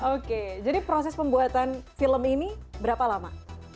oke jadi proses pembuatan film ini berapa lama